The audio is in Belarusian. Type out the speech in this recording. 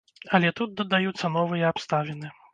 Але тут дадаюцца новыя абставіны.